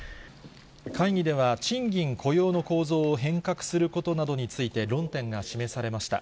会議では賃金・雇用の構造を変革することなどについて論点が示されました。